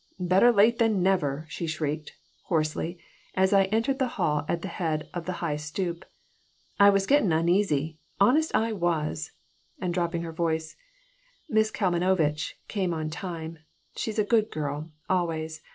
Better late than never," she shrieked, hoarsely, as I entered the hall at the head of the high stoop. "I was gettin' uneasy. Honest I was." And dropping her voice: "Miss Kalmanovitch came on time. She's a good girl. Always."